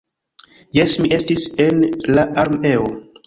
Jes, mi estis en la armeo.